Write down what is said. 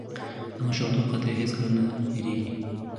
د ماشومتوب خاطرې هیڅکله نه هېرېږي.